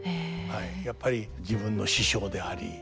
やっぱり自分の師匠でありまあ